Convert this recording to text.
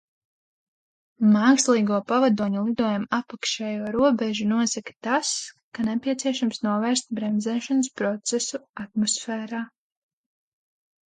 Mākslīgo pavadoņu lidojuma apakšējo robežu nosaka tas, ka nepieciešams novērst bremzēšanas procesu atmosfērā.